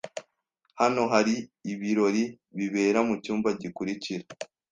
Hano hari ibirori bibera mucyumba gikurikira.